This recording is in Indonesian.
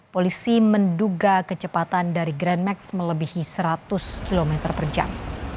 polisi menduga kecepatan dari grand max melebihi seratus km per jam